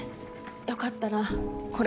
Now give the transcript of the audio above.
良かったらこれ。